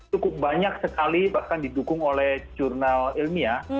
cukup banyak sekali bahkan didukung oleh jurnal ilmiah